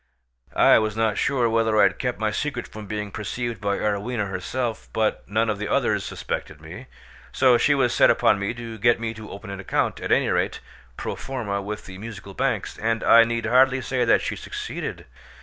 I was not sure whether I had kept my secret from being perceived by Arowhena herself, but none of the others suspected me, so she was set upon me to get me to open an account, at any rate pro formâ, with the Musical Banks; and I need hardly say that she succeeded.